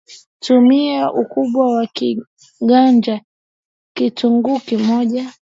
Tumia Ukubwa wa kiganja Kitunguu kimoja